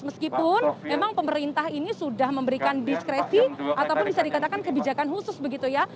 meskipun memang pemerintah ini sudah memberikan diskresi ataupun bisa dikatakan kebijakan khusus begitu ya